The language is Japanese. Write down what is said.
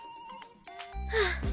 はあ。